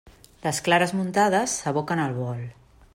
Les clares muntades s'aboquen al bol.